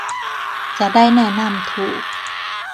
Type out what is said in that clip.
จะได้แนะนำถูก